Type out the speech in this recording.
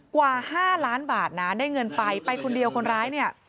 กว่า๕ล้านบาทนะได้เงินไปไปคนเดียวคนร้ายเนี่ย